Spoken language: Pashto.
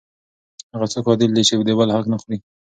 هغه څوک عادل دی چې د بل حق نه خوري.